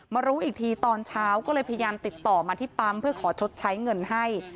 รู้อีกทีตอนเช้าก็เลยพยายามติดต่อมาที่ปั๊มเพื่อขอชดใช้เงินให้